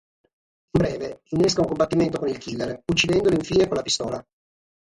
In breve, innesca un combattimento con il killer, uccidendolo infine con la pistola.